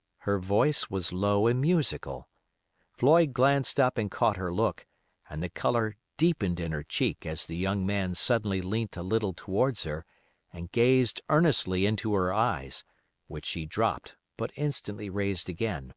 '" Her voice was low and musical. Floyd glanced up and caught her look, and the color deepened in her cheek as the young man suddenly leant a little towards her and gazed earnestly into her eyes, which she dropped, but instantly raised again.